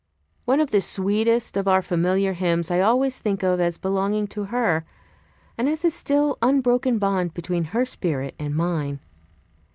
One of the sweetest of our familiar hymns I always think of as belonging to her, and as a still unbroken bond between her spirit and mine.